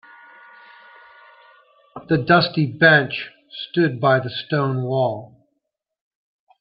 The dusty bench stood by the stone wall.